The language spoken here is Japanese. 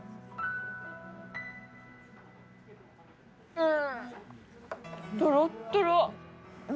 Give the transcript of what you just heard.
うん！